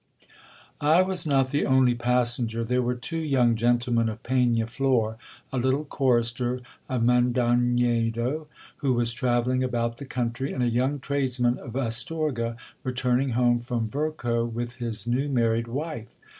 I was not the only passenger. There were two young gentlemen of Pegnaflor ; a little chorister of Mondognedo, who was travelling about the country, and a young tradesman of Astorga, returning home from Verco with his new married wife.